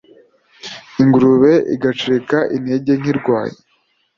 ingurube igacika intege nkirwaye